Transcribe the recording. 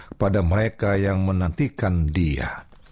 kepada mereka yang menantikan dia